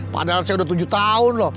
padahal saya udah tujuh tahun loh